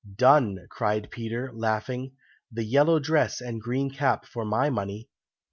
"Done!" cried Peter, laughing. "The yellow dress and green cap for my money!"